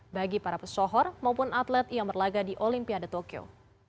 bagi para pesohor maupun atlet yang berlaga di olimpiade tokyo